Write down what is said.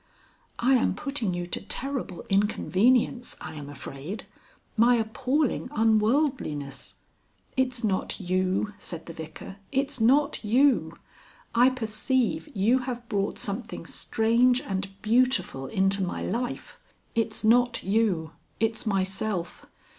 "I am putting you to terrible inconvenience, I am afraid. My appalling unworldliness " "It's not you," said the Vicar. "It's not you. I perceive you have brought something strange and beautiful into my life. It's not you. It's myself.